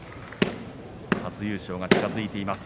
初優勝が近づいています。